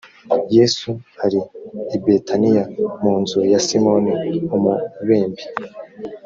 yesu ari i betaniya mu nzu ya simoni umubembe